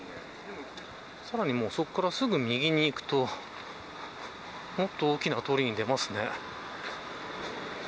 さらに、そこからすぐ右に行くともっと大きな通りに出ますね。